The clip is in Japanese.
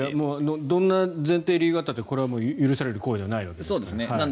どんな前提、理由があったって許される行為ではないわけですから。